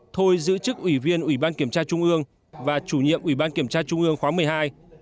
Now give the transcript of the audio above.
thôi giữ chức ủy viên ủy ban kiểm tra trung ương và chủ nhiệm ủy ban kiểm tra trung ương khóa một mươi hai